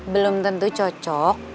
belum tentu cocok